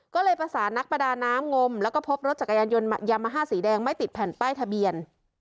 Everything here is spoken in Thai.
ก็เลยประสานนักประดาน้ำงมแล้วก็พบรถจักรยานยนต์ยามาฮ่าสีแดงไม่ติดแผ่นป้ายทะเบียน